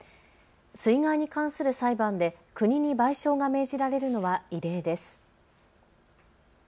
水害に関する裁判で国に賠償が命じられるのは異例です。